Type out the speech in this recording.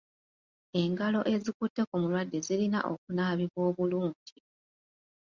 Engalo ezikutte ku mulwadde zirina okunaabibwa obulungi.